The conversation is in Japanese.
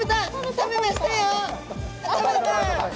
食べました！